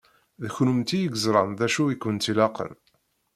D kennemti i yeẓṛan d acu i kent-ilaqen.